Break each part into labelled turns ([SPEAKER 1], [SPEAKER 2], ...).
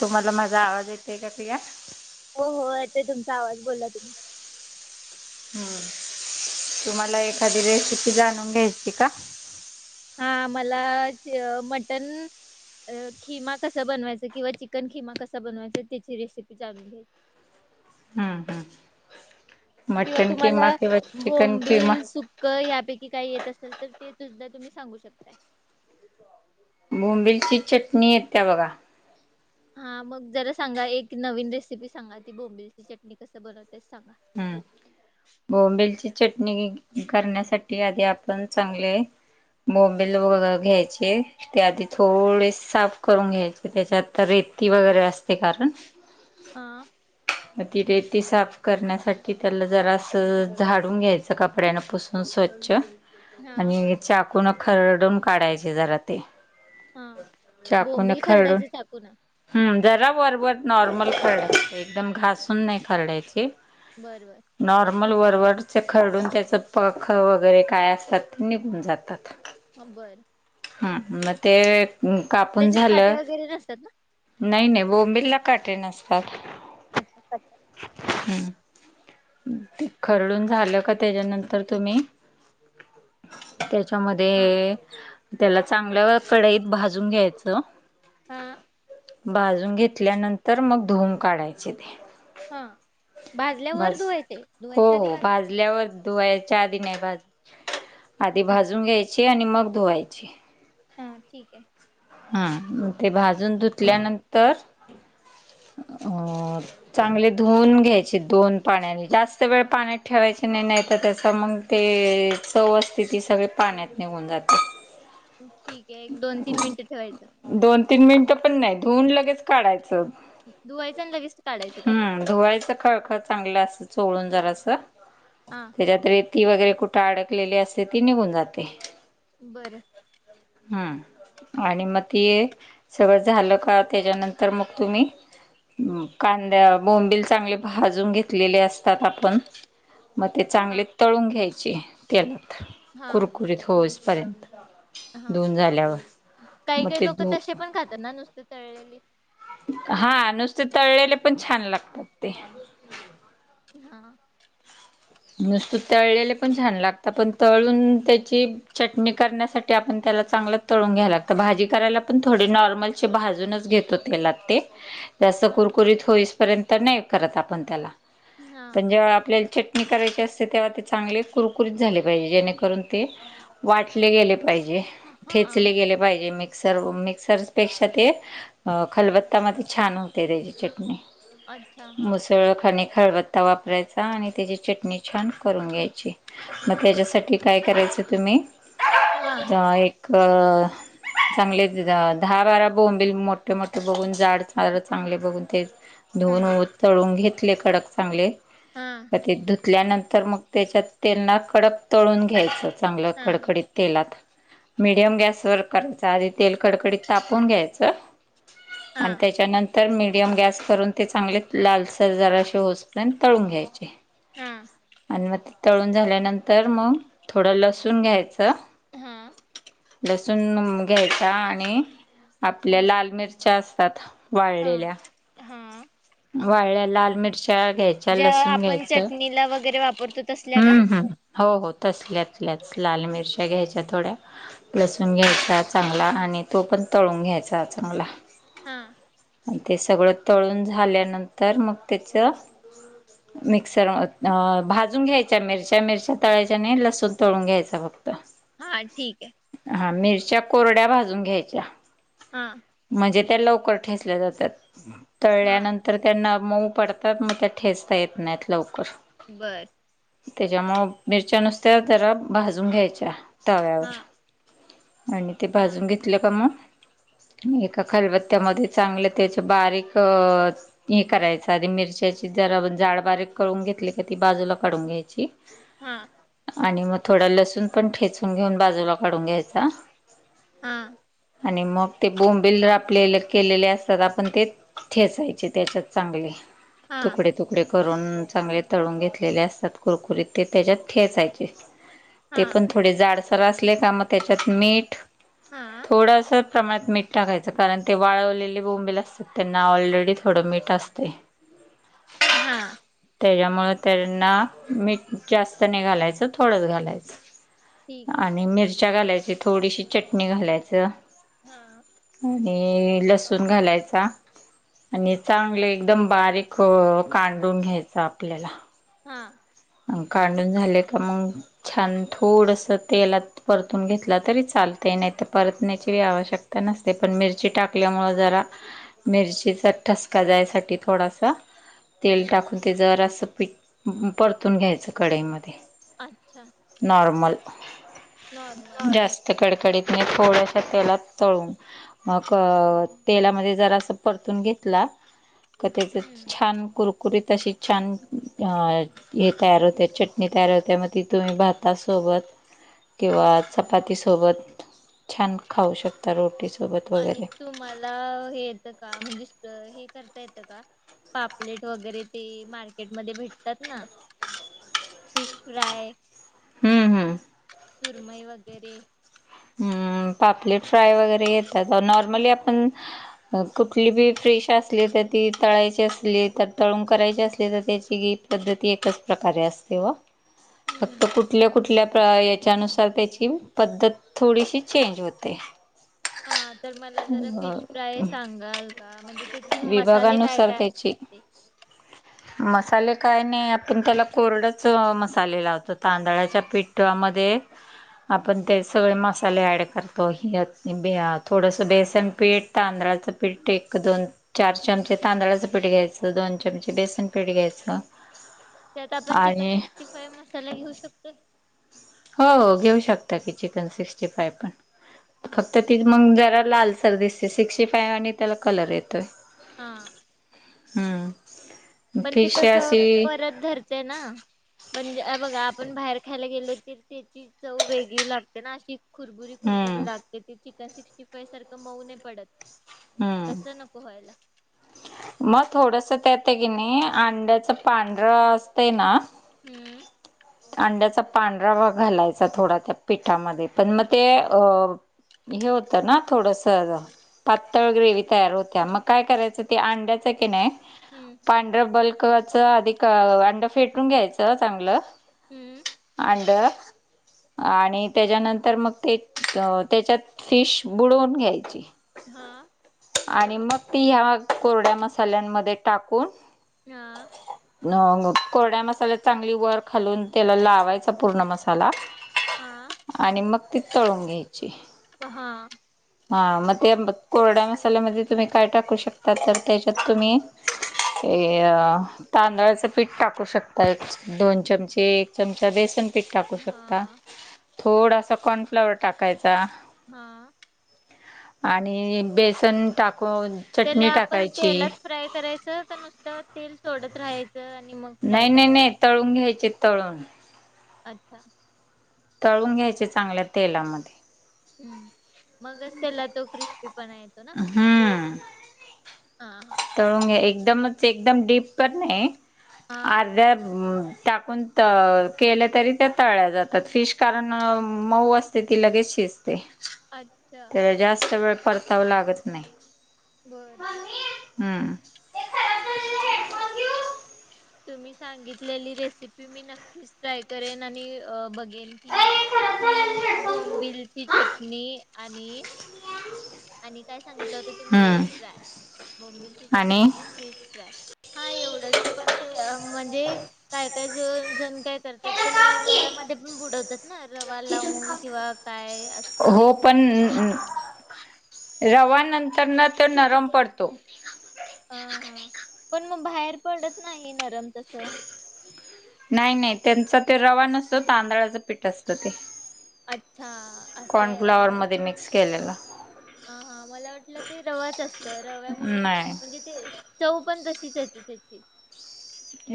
[SPEAKER 1] तुम्हाला माझा आवाज येतोय का प्रिया
[SPEAKER 2] हो हो येत आहे तुमचा आवाज बोला तुम्ही
[SPEAKER 1] हम्म तुम्हाला एखादी रेसिपी जाणून घ्यायची का
[SPEAKER 2] हा मला मटण अ खिमा कसा बनवायचं किंवा चिकन खिमा कसा बनवायच त्याची रेसिपी जाणून घ्या
[SPEAKER 1] हम्म हम्म
[SPEAKER 2] किंवा
[SPEAKER 1] मटन
[SPEAKER 2] तुम्हाला
[SPEAKER 1] किमा किंवा चिकन किमा
[SPEAKER 2] बोंबिल सुक्क यापैकी काही येत असेल तर ते सुद्धा तुम्ही सांगू शकताय
[SPEAKER 1] बोंबिलची चटणी येत्या बघा
[SPEAKER 2] हा मग जरा सांगा एक नवीन रेसिपी सांगा ती बोंबिलची चटणी कस बनवतेत सांगा
[SPEAKER 1] हम्म बोंबलची चटणी करण्यासाठी आधी आपण चांगले बोबिल वगैरे घ्यायचे ते आधी थोडे साफ करून घ्यायचे त्याच्यात तर वगैरे असते कारण
[SPEAKER 2] हा
[SPEAKER 1] मग ती रेती साप करण्यासाठी त्याला जरा असं झाडून घ्यायचं कापड्याना पुसून स्वच्छ
[SPEAKER 2] हा
[SPEAKER 1] आणि चाकूनं खरडून काढायचे जरा ते
[SPEAKER 2] हा
[SPEAKER 1] चाकूने
[SPEAKER 2] बोंबिल
[SPEAKER 1] खरडून
[SPEAKER 2] खरडायचे चाकून
[SPEAKER 1] हम्म जरा वर नॉर्मल खरडायच एकदम घासून नाही खरडची
[SPEAKER 2] बर बर
[SPEAKER 1] नॉर्मल वरवर खरडून त्याचं पंख वगैरे काय असतात ते निघून जातात
[SPEAKER 2] हा बर
[SPEAKER 1] हा मग ते कापून
[SPEAKER 2] त्याच्यात काटे
[SPEAKER 1] झालं
[SPEAKER 2] वगैरे नसतात ना
[SPEAKER 1] नाही नाही बोंबिलला काठे नसतात
[SPEAKER 2] अच्छा
[SPEAKER 1] हम् ते खरडून झालं का त्याच्यानंतर तुम्ही.
[SPEAKER 2] हा
[SPEAKER 1] त्याच्यामध्ये त्याला चांगल्या कढाईत भाजून घ्यायचं.
[SPEAKER 2] हा.
[SPEAKER 1] बाजून घेतल्यानंतर मग धूम काढायचे ते.
[SPEAKER 2] हा भाजल्यावरर
[SPEAKER 1] भाज
[SPEAKER 2] धु.
[SPEAKER 1] हो हो भाजल्यावर धुवा च दि नाही भाज. आधी भाजून घ्यायची आणि मग धुवायचे.
[SPEAKER 2] हा ठीक आहे.
[SPEAKER 1] हा ते भाजून धुतल्यानंतर अ. चांगले धुवून घ्यायचे. द पाण्या जास्त वेळ पाण्यात ठेवाय नाही नाही त्या. सगळे पाण्यात निघून जाते.
[SPEAKER 2] ठीक आहे एक दोन तीन मिनिटं ठेवायचं.
[SPEAKER 1] धुून लगेच काढायचं.
[SPEAKER 2] धुवायचं आणि लगेच काढायचं काय
[SPEAKER 1] हम्म धुवायचं खळखळ चांगलं अस चोळून जरा अस.
[SPEAKER 2] हा
[SPEAKER 1] त्याच्यात रेती वगैरे कुठे अडकलेली असते ती निघून जाते.
[SPEAKER 2] बरं.
[SPEAKER 1] हम्म. आणि मग ते सगळं झालं का त्याच्यानंतर मग तुम्ही. कांद्या बोंबिल चांगले भाजून घेतलेले असतात आपण‌‌. मग ते
[SPEAKER 2] हा
[SPEAKER 1] चांगले तळून घ्यायचे तेलात
[SPEAKER 2] हा
[SPEAKER 1] कुरकुरीत होच. पर्यंत.
[SPEAKER 2] हा काही काही
[SPEAKER 1] ते
[SPEAKER 2] लोक
[SPEAKER 1] धु
[SPEAKER 2] तसे पण खातात ना नुसते तळलेली.
[SPEAKER 1] हा नुसते तळलेले पण छान लागतात ते.
[SPEAKER 2] हा‌.
[SPEAKER 1] नुसत तळलेले पण छान लागत पण तळून त्याची चटणी करण्यासाठी आपण. त्या चांगलं तून घ्या लागत भाजी करायला पण थोडी नॉर्मल भाजूनच घेतो त्याला ते. जास्त
[SPEAKER 2] हा
[SPEAKER 1] कुरकुरीत होईसपर्यंत नाही करत आपण त्याला
[SPEAKER 2] हा
[SPEAKER 1] पण जे्हा आपल्या. करायचे असते तेव्हा ते चांगले कुरकुरीत झाले पाहिजे जेणेकरून ते वाटले गेले.
[SPEAKER 2] हा हा
[SPEAKER 1] ठेचले गेले पाहिजे मिक्सर मिक्सर पेक्षा ते खलबत. आता मी छान होते त्याची चटणी
[SPEAKER 2] अच्छा हा
[SPEAKER 1] मुसळ खनिक. खळबत्ता वापरायचा आणि त्याची चटणी छान करून घ्यायची. मग त्याच्यासाठी काय करायचं तुम्ही
[SPEAKER 2] हा
[SPEAKER 1] एक. का. चांगले दहा बारा बोंबल मोठे मोठे बघून झाड चांगले बघून ते.
[SPEAKER 2] हा
[SPEAKER 1] धुन चळून घेतले कडक चांगले
[SPEAKER 2] हा हा
[SPEAKER 1] ते. तल्यानंतर मग त्याच्यात तेलना कडक तळून घ्यायचं चांगलं
[SPEAKER 2] हा
[SPEAKER 1] कडकडीत तेलात. मीडियम गॅस वर करायच आधी तेल कडकडीत तापून घ्यायचं. आणि
[SPEAKER 2] हा
[SPEAKER 1] त्याच्यानंतर. तर मडियम गॅस करून ते चांगले लालसर जरा असे होत तळून घ्यायचे.
[SPEAKER 2] हम.
[SPEAKER 1] आणि मग ते तळून झाल्यानंतर मग थोडं लसून घ्यायचं.
[SPEAKER 2] हा हा
[SPEAKER 1] लसूण घ्यायचा आणि आपल्या
[SPEAKER 2] हा
[SPEAKER 1] लाल मिरच्या असतात. वाळलेल्या
[SPEAKER 2] हा
[SPEAKER 1] वाळल्या लाल मिरच्या घ्यायच्या लसूण घ्यायच.
[SPEAKER 2] नला वगैरे वापरतो असल्या का.
[SPEAKER 1] हो हो तसल्याच लच लाल मिरच्या घ्यायच्या थोड्या लसूण घ्यायच्या चांगला आणि. आणि तो पण तळून घ्यायचा चगला.
[SPEAKER 2] हम.
[SPEAKER 1] आणि ते सगळं तळून झाल्यानंतर मग त्याचं मिक्सर. अ भाजून घ्यायच्या मिरच्या मिरच्या तळायच्या आणि लसूण तळून घ्यायचा फक्त.
[SPEAKER 2] हा ठीक आहे
[SPEAKER 1] हा मिरच्या कोरड्या भाजून घ्यायच्या
[SPEAKER 2] हा
[SPEAKER 1] म्हणजे त्या लवकर ठेसल्या जातात
[SPEAKER 2] हा
[SPEAKER 1] तळल्यानंतर त्यांना मऊ पडतात मग त्या ठेचता येत नाहीत लवकर
[SPEAKER 2] बर
[SPEAKER 1] त्याच्यामु मिरच्या नुसत्या जरा भाजून घ्यायच्या
[SPEAKER 2] हा
[SPEAKER 1] तव्यावर आणि ते
[SPEAKER 2] हा
[SPEAKER 1] भाजून घेतलं का मग एका खलबत्त्यामध्ये चांगलं त्याच बारीक हे करायच आधी मिरच्याची जरा जाड बारीक करून घेतली का ती बाजूला काढून घ्यायची
[SPEAKER 2] हम्
[SPEAKER 1] आणि मग थोडा लसूण पण ठेचून घेऊन बाजूला काढून घ्यायचा
[SPEAKER 2] हम
[SPEAKER 1] आणि मग ते बोंबिल आपले केलेले असतात आपण ते ठेचायचे त्याच्यात चांगले
[SPEAKER 2] हा
[SPEAKER 1] तुकडे तुकडे करून चांगले तून घेतले असतात कुकुरीत त्याच्यात ठेचायचे ते
[SPEAKER 2] हा
[SPEAKER 1] पण थोडे जाड स असले का मग त्याच्यात मीठ
[SPEAKER 2] हा
[SPEAKER 1] थोडंसं प्रमाणात मीठ टाकायचं कारण ते वाळवलेले बोंबेल असतात त्यांना ऑलरेडी थोडं मीठ असते हम्
[SPEAKER 2] हा
[SPEAKER 1] त्याच्यामुळे त्यांना मीठ जास्त नाही घालायचं थोडंच घालायचं
[SPEAKER 2] ठीक आहे
[SPEAKER 1] आणि मिरच्या घालायची थोडीशी चटणी घालायच
[SPEAKER 2] हा
[SPEAKER 1] आणि लसूण घालायचा आणि चांगले एकदम बारीक कांडून घ्यायच आपल्याला
[SPEAKER 2] हा
[SPEAKER 1] कांडून झाले का मग छान थोडस तेलात परतून घेतला तरी चालत ते नाही तर परतण्याची आवश्यकता नसते पण मिरची टाकल्यामुं जरा मिरचीचा ठसका जायसाठी थोडासा तेल टाकून ते जर असं पिठ परतून घ्यायचं कढईमध्ये
[SPEAKER 2] अच्छा
[SPEAKER 1] नॉर्मल
[SPEAKER 2] नॉर्मल ठीक
[SPEAKER 1] जास्त
[SPEAKER 2] आहे
[SPEAKER 1] कडकडीत नाही थोड्या त्या तेलात तळून मग तेलामध्ये जरा अस परतून घेतला क त्याच
[SPEAKER 2] हम्म
[SPEAKER 1] छान कुरकुरीत अशी छान अ हे तयार होत चटणी तयार होत्या मग तिथुम्ही भातासोबत किंवा चपाती सोबत छान खाऊ शकता रोटी
[SPEAKER 2] आणि तुम्हाला हे येतं का म्हणजे हे करता येत का पापलेट वगैरे ते मार्केटमध्येध्ये भेटतात ना फिश फ्राय
[SPEAKER 1] हम्म हम्म
[SPEAKER 2] सुरमई वगैरे
[SPEAKER 1] हम्म पापलेट फ्राय वगैरे येतात नॉर्मली आपण कुठली बी फिश असली त तळायची असली तर तळून करायचे असले तर त्याची गी पद्धती एकच प्रकारे असते व फक्त
[SPEAKER 2] हम्म
[SPEAKER 1] कुठल्या कुठल्या याच्यानुसार त्याची पद्धत थोडीशी चेंज होते
[SPEAKER 2] हा तर मला जरा फिश
[SPEAKER 1] अ
[SPEAKER 2] फ्राय सांगाल का म्हणजे त्याथ मसाले काय काय असतात ते
[SPEAKER 1] ह मसाले काय नाही आपण त्याला कोरडच मसाले लावतो तांदळाच्या पिठमध्ये आप सगळे मसाले ॲड करतो त्यात थोडंसं बेसन पिठ तांदळाचं पिठते दोन चार चमचे तांदळाचं पीठ घ्यायचं दोन चमचे बेसन पीठ घ्यायचं
[SPEAKER 2] त्यात आपण चिकन
[SPEAKER 1] आणि
[SPEAKER 2] टिक़ी फ्राय मसाला घेऊ शकतो
[SPEAKER 1] हो हो घेऊ शकता की चिकन सिक्टी फाय पण
[SPEAKER 2] हा
[SPEAKER 1] फक्त ती मग जरा लाल र दिसते सिक्स्टी फायव आणि त्याला कलर येतोय
[SPEAKER 2] ह
[SPEAKER 1] हम्म
[SPEAKER 2] पण ती
[SPEAKER 1] फिश
[SPEAKER 2] तस
[SPEAKER 1] अशी
[SPEAKER 2] परत धरते ना म्हणजे बघा आपण बाहेर खायला गेलो तर त्याची चव वेगळी लागते ना अशी खुरबुरी खुरबुरी
[SPEAKER 1] हम्म
[SPEAKER 2] लागते ती चिकन सिक्स्टी फाई सारखं मऊ नाही पडत कस
[SPEAKER 1] हम्म
[SPEAKER 2] न पोहायला
[SPEAKER 1] मग थोडस त्याेतं की नाही अंड्याच पांढरं असत ना
[SPEAKER 2] हम्म
[SPEAKER 1] अंड्याचा पांढरा भाग घालायचा थोडा त्या पिठामध्ये पण मग ते अ हे होतं ना थोडस पातळ ग्रेवी तयार होत्या मग काय करायचं तेअंड्याचा किनाय
[SPEAKER 2] हम्म
[SPEAKER 1] पांढरा बल् च अधिक अंड फेटून घ्यायचं चांगलं
[SPEAKER 2] हम्म
[SPEAKER 1] आड आणि त्याच्यानंतर मग ते त्याच्यात फिश बुडवून घ्यायची.
[SPEAKER 2] हा
[SPEAKER 1] आणि मग ती ह्या कोरड्या मसाल्यांमध्ये टाकून
[SPEAKER 2] हा
[SPEAKER 1] अ कोरड्या मसाल्या चांगली वर खालून त्याला लावायचा पूर्ण मसाला
[SPEAKER 2] हा
[SPEAKER 1] आणि मग ती तळून घ्यायची
[SPEAKER 2] हा
[SPEAKER 1] हा मग ते कोरड्या मसाल्यामध्ये तुम्ही काय टाकू शकता तर त्याच्यात तुम्ही ते तांदळाचं पीठ टाकू शकता दोन चमचे एक चमचा बेसन पीक टाकू शकता
[SPEAKER 2] हा
[SPEAKER 1] थोडासा कॉर्नफ्लावर टाकायचा
[SPEAKER 2] हा
[SPEAKER 1] आणि बेसन टाक
[SPEAKER 2] त्याला आपण तेलात फ्राय करायचं का नुसत तेल सोडत राहायचं आणि मग फ्राय
[SPEAKER 1] नाही नाही
[SPEAKER 2] करायचं.
[SPEAKER 1] नाही तळून घ्यायचे तळून
[SPEAKER 2] अच्छा
[SPEAKER 1] तळून घ्यायचे चांगल्या तेलामध्ये
[SPEAKER 2] हम् मगच त्याला तो क्रिस्पी पणा येतो ना
[SPEAKER 1] हम्म
[SPEAKER 2] हा हा
[SPEAKER 1] तळून घ्या एकदमच एकदम डीप पण नाही
[SPEAKER 2] हा
[SPEAKER 1] अर्ध्या टाकून केलं तरी त्या तळल्या जातात फिश कारण मऊ असते ती लगेच शिजते
[SPEAKER 2] अच्छा
[SPEAKER 1] त्याला जास्त वेळ परतावं लागत नाही
[SPEAKER 2] बर
[SPEAKER 1] हम्
[SPEAKER 2] तुम्ही सांगितलेली रेसिपी मी नक्कीच ट्राय करेन आणि बघ. बोंबिलची चटणी आणि
[SPEAKER 1] [unintelligible]
[SPEAKER 2] आणि काय सांगितलं होतं, तुम्ही
[SPEAKER 1] हम्म
[SPEAKER 2] फिश फ्राय. बोंबिल ची चटणी आणि फिश फ्राय हा एवढंच. पण ते म्हणजे, काय काय जो जण काय करतात, त्याला
[SPEAKER 1] तिथून
[SPEAKER 2] रव्यामध्ये पण बुडवतात. हा रवा लावून,
[SPEAKER 1] काप.
[SPEAKER 2] किंवा काय असतं ते?
[SPEAKER 1] रवानंतर ना तो नरम पडतो.
[SPEAKER 2] हा हा, पण मग बाहेर पडत नाही, नरम तसं
[SPEAKER 1] नाही नाही, त्यांचा तो रवा नसतो तांदळाचं पीठ असतं ते.
[SPEAKER 2] अच्छा
[SPEAKER 1] कॉर्नफ्लावर मध्ये मिक्स केलेला.
[SPEAKER 2] हां हां मला वाटलं ते रवाच असतं रव्यामुळं
[SPEAKER 1] नाही.
[SPEAKER 2] म्हणजे, ते चव पण तशीच येते. कशाची?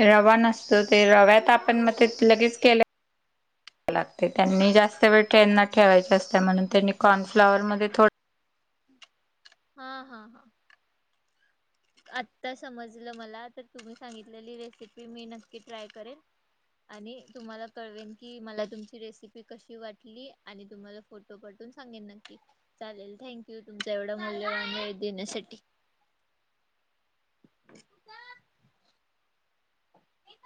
[SPEAKER 1] रवा नसतो ते रव्यात आपण मग ते लगेच केलं लागतंय त्यांनी जास्त वेळ त्यांना ठेवायचं असतयं, म्हणून त्यांनी कॉर्नफ्लावर मध्ये थोड
[SPEAKER 2] हां हां हां.
[SPEAKER 1] [inaudible]
[SPEAKER 2] आत्ता समजलं मला, तर तुम्ही सांगितलेली रेसिपी मी नक्की ट्राय करेन. आणि तुम्हाला कळवेन, की मला तुमची रेसिपी कशी वाटली आणि तुम्हाला फोटो पाठवेन. सांगेन नक्की चालेल, थँक यू! तुमचा एवढा मूल्यवान वेळ देण्यासाठी. [unintelligible]